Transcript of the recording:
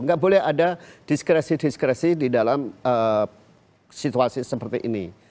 nggak boleh ada diskresi diskresi di dalam situasi seperti ini